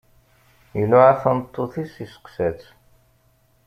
Iluɛa tameṭṭut-is, iseqsa-tt.